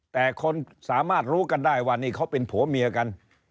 แต่คนสามารถรู้กันได้ว่านี่เขาเป็นผัวเมียกัน